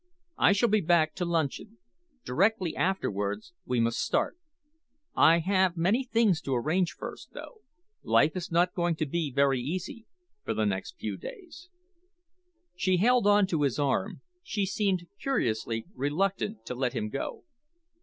I shall be back to luncheon. Directly afterwards we must start. I have many things to arrange first, though. Life is not going to be very easy for the next few days." She held on to his arm. She seemed curiously reluctant to let him go.